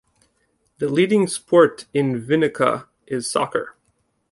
The leading sport in Vinica is soccer.